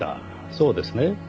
そうですね？